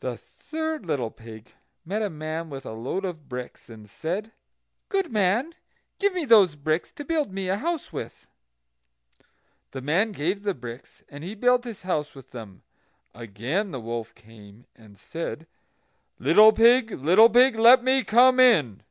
The third little pig met a man with a load of bricks, and said: "Good man, give me those bricks to build me a house with." The man gave the bricks, and he built his house with them. Again the wolf came, and said: "Little pig, little pig, let me come in."